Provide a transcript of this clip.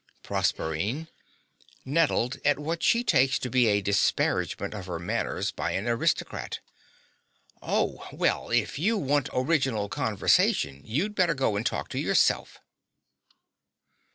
PROSERPINE (nettled at what she takes to be a disparagement of her manners by an aristocrat). Oh, well, if you want original conversation, you'd better go and talk to yourself.